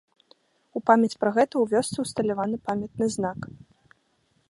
У памяць пра гэта ў вёсцы ўсталяваны памятны знак.